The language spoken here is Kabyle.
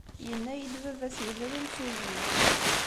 Yenna-iyi-d baba-s yella d imsujji.